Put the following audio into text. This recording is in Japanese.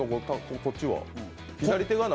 こっちは。